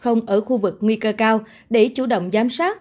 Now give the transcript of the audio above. không ở khu vực nguy cơ cao để chủ động giám sát